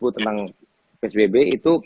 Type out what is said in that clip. tanduan psbb itu